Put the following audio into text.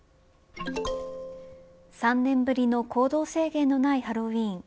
３年ぶりの行動制限のないハロウィーン。